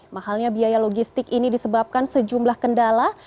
mahalnya biaya logistik ini disebabkan sejumlah kendala